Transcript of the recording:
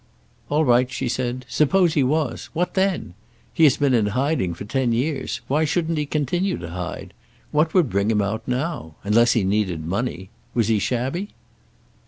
"All right," she said. "Suppose he was? What then? He has been in hiding for ten years. Why shouldn't he continue to hide? What would bring him out now? Unless he needed money. Was he shabby?"